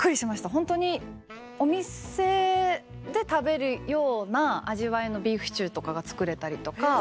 ホントにお店で食べるような味わいのビーフシチューとかが作れたりとか。